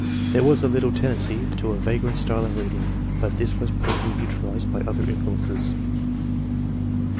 There was a little tendency to a vagrant style of reading, but this was pro bably neutralised by other influences.''